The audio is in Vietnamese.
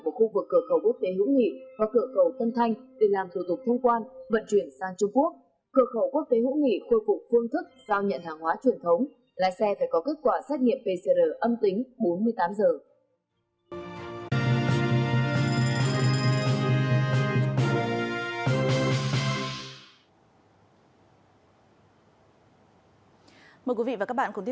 vào khu vực cửa khẩu quốc tế hữu nghị và cửa khẩu tân thanh